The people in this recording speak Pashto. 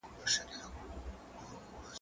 کېدای شي کار ستونزمن وي؟